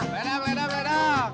ledang ledang ledang